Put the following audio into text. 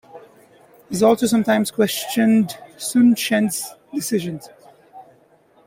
He also sometimes questioned Sun Chen's decisions.